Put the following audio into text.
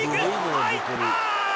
入った！